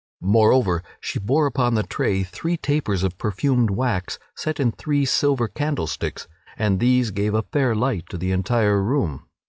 Moreover, she bore upon the tray three tapers of perfumed wax set in three silver candlesticks, and these gave a fair light to the entire room.